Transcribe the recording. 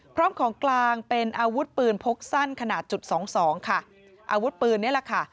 พร้อมของกลางเป็นอาวุธปืนพกสั้นขนาดจุดสองสองค่ะอาวุธปืนนี่แหละค่ะ